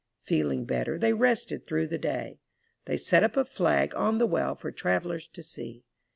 Feeling better, they rested through the day.. They set up a flag on the well for travelers to see.